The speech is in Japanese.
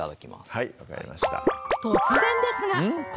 はい分かりました何？